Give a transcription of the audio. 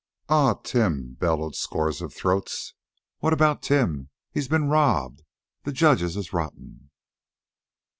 "An' Tim?" bellowed scores of throats. "What about Tim?" "He's been robbed!" "The judges is rotten!"